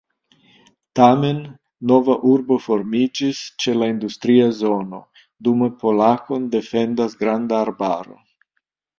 Tamen, nova urbo formiĝis ĉe la industria zono, dume Polack-on defendas granda arbaro.